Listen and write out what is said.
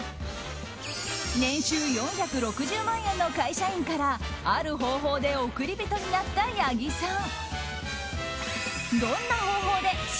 年収４６０万円の会社員からある方法で億り人になった八木さん。